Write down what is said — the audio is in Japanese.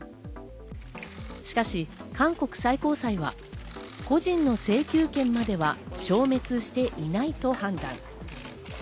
しかし、韓国最高裁は個人の請求権までは消滅していないと判断。